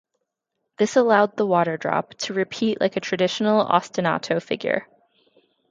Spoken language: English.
This allowed the water drop to repeat like a traditional ostinato figure.